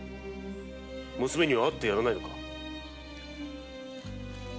娘には会ってやらないのか？